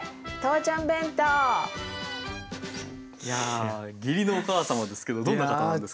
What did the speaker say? それよりいや義理のお母様ですけどどんな方なんですか？